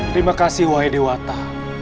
terima kasih wahai dewata